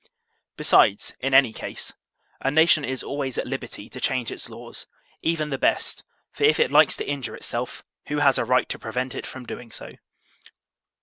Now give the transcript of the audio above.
Besides, in any case, a nation is always at liberty to change its laws, even the best; for if it likes to injure itself, who has a right to prevent it from doing so